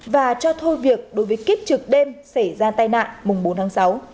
và cho thôi việc đối với kiếp trực đêm xảy ra tai nạn mùng bốn tháng sáu